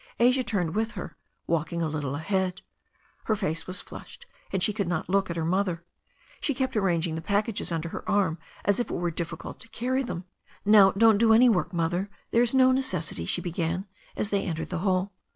Asia turned with her, walking a little ahead. Her face was flushed, and she could not look at her mother. She kept arranging the packages under her arm as if it were difficult to carry them. "Now, don't do any work, Mother. There's no neces sity '* she began, as they entered the hall.